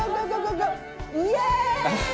イエーイ！